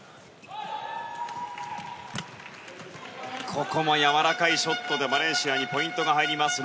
ここもやわらかいショットでマレーシアにポイントが入りました。